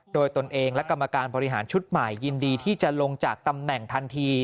โดยตนเองและกรรมการบริหารชุดใหม่ยินดีที่จะลงจากตำแหน่งทันที